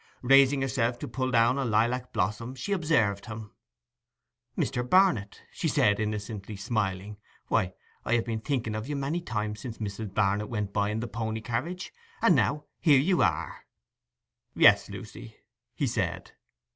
Raising herself to pull down a lilac blossom she observed him. 'Mr. Barnet!' she said, innocently smiling. 'Why, I have been thinking of you many times since Mrs. Barnet went by in the pony carriage, and now here you are!' 'Yes, Lucy,' he said.